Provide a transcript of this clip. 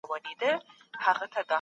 شراب پلورل داسې کسب دی چي رخصتي نه لري.